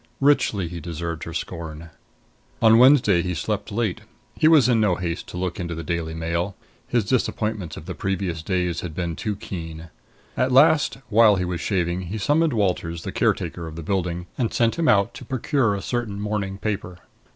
Richly he deserved her scorn. On Wednesday he slept late. He was in no haste to look into the Daily Mail; his disappointments of the previous days had been too keen. At last, while he was shaving, he summoned Walters, the caretaker of the building, and sent him out to procure a certain morning paper.